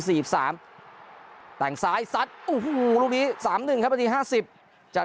สามแต่งซ้ายซัดโอ้โหลูกนี้สามหนึ่งครับนาทีห้าสิบจาก